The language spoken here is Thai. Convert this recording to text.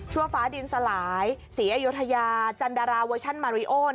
ฟ้าดินสลายศรีอยุธยาจันดาราเวอร์ชันมาริโอ